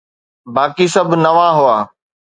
باقي سڀ نوان هئا.